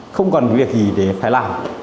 không còn việc gì để phải làm